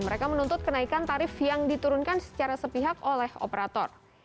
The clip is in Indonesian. mereka menuntut kenaikan tarif yang diturunkan secara sepihak oleh operator